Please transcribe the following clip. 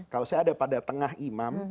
kalau saya ada pada tengah imam